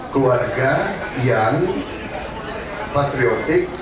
keluarga yang patriotik